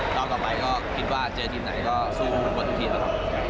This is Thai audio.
ครั้งต่อไปคิดว่าเจอทีนไหนก็ซู่มุมทุกทีนะครับ